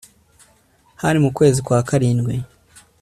hari mu kwezi kwa karindwi